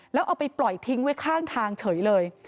แล้วเอาไปปล่อยทิ้งไว้ข้างทางเฉยเลย